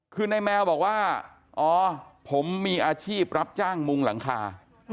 คือในแมวบอกว่าอ๋อผมมีอาชีพรับจ้างมุงหลังคา